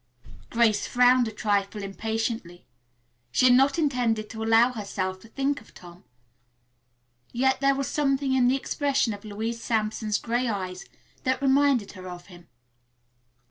Grace frowned a trifle impatiently. She had not intended to allow herself to think of Tom, yet there was something in the expression of Louise Sampson's gray eyes that reminded her of him.